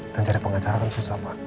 dan cari pengacara kan susah pak